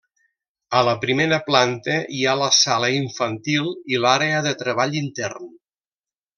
A la primera planta hi ha la sala infantil i l’àrea de treball intern.